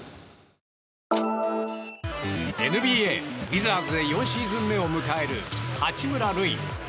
ＮＢＡ、ウィザーズ４シーズン目を迎える八村塁。